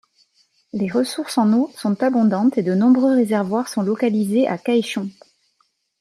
Les ressources en eau son abondantes et de nombreux réservoirs sont localisés à Kaechon.